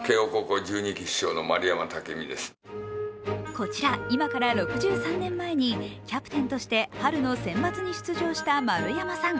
こちら、今から６３年前に、キャプテンとして春の選抜に出場した丸山さん。